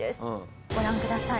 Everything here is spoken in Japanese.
ご覧ください。